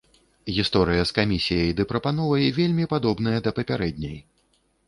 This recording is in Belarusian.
Гісторыя з камісіяй ды прапановай вельмі падобная да папярэдняй.